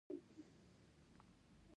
که څه هم د روسیې صدراعظم د دې هیات منکر دي.